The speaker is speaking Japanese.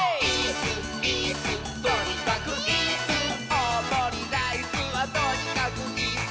「おおもりライスはとにかくイス！」